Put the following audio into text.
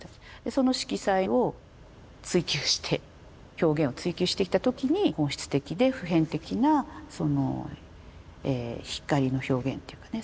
その色彩を追求して表現を追求していった時に本質的で普遍的なその光の表現っていうかね